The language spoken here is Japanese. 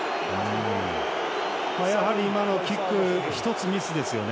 やはり今のキック１つミスですよね。